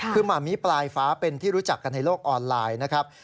คือหมามิปลายฟ้าเป็นที่รู้จักกันในโลกออนไลน์นะครับ